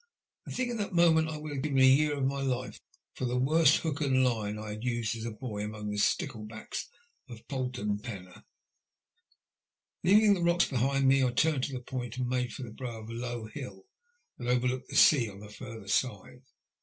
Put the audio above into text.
I think at that moment I would have given a year of my life for the worst hook and line I had used as a boy among the sticklebacks of Folton Penna. Leaving the rocks behind me, I turned the point and made for. the brow of a low hill that overlooked the sea on the further side.